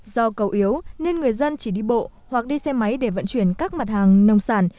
do cầu yếu nên người dân chỉ đi bộ hoặc đi xe máy để vận chuyển các mặt hàng nông sản